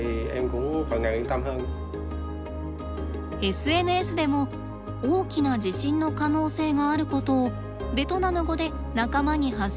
ＳＮＳでも大きな地震の可能性があることをベトナム語で仲間に発信。